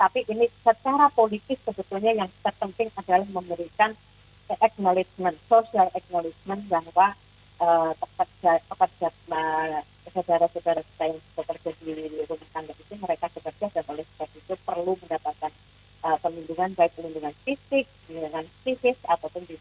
perlindungan hak hak mereka